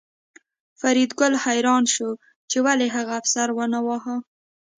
فریدګل حیران شو چې ولې هغه افسر ونه واهه